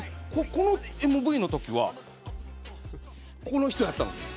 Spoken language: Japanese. このＭＶのときはこの人だったのに。